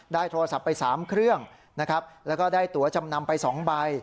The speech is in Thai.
ได้โทรศัพท์ไป๓เครื่องแล้วก็ได้ตั๋วจำนำไป๒ใบ